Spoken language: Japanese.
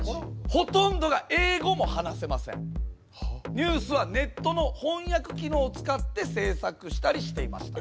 ニュースはネットの翻訳機能を使って制作したりしていました。